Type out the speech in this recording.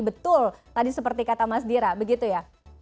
betul tadi seperti kata mas dira begitu ya